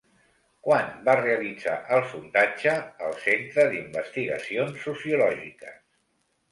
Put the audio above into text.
Quan va realitzar el sondatge el Centre d'Investigacions Sociològiques?